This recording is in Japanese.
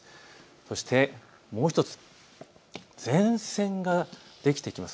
そしてもう１つ、前線ができてきます。